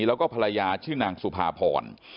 แล้วก็ภรรยาชื่อนางสุภาพร